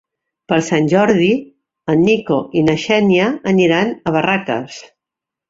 Per Sant Jordi en Nico i na Xènia aniran a Barraques.